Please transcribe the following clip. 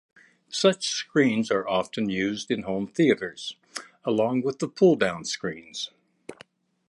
Such screens are often used in home theaters, along with the pull-down screens.